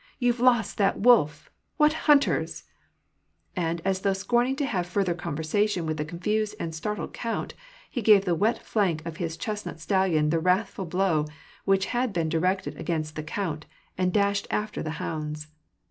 *^ You've lost that wolf ! What hunters !" And as though scorning to have further conversation with the confused and startled count, he gave the wet flank of his chestnut stallion the wrathful blow which had been directed against the count, and dashed after the hounds.